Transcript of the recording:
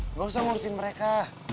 nggak usah ngurusin mereka